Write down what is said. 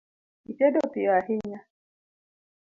Itedo piyo ahinya